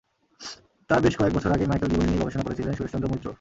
তার বেশ কয়েক বছর আগেই মাইকেল-জীবনী নিয়ে গবেষণা করেছিলেন সুরেশচন্দ্র মৈত্র।